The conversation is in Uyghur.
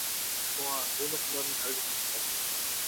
شۇڭا بۇ نۇقتىلارنى ھەرگىز ئۇنتۇپ قالما.